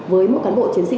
với một cán bộ chiến sĩ